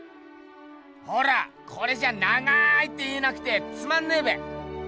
ほらこれじゃあ長いって言えなくてつまんねえべ。